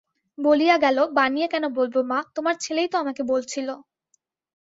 বলিয়া গেল, বানিয়ে কেন বলব মা, তোমার ছেলেই তো আমাকে বলছিল।